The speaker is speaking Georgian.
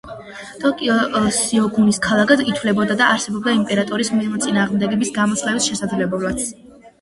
ტოკიო სიოგუნის ქალაქად ითვლებოდა და არსებობდა იმპერატორის მოწინააღმდეგეების გამოსვლების შესაძლებლობაც.